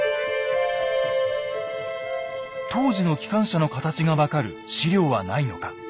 当時の機関車の形が分かる史料はないのか。